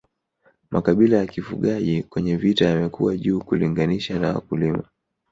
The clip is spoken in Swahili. Makabila ya kifugaji kwenye vita yamekuwa juu kulinganisha na wakulima